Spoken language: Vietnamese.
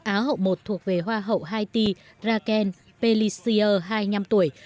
á hậu một thuộc về hoa hậu haiti raquel pellissier hai mươi năm tuổi